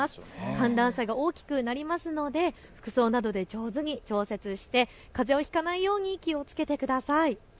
寒暖差が大きくなりますので服装などで上手に調節してかぜをひかないように気をつけてください。